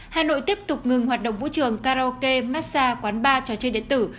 hà nội tiếp tục ngừng hoạt động vũ trường karaoke massage quán bar trò chơi điện tử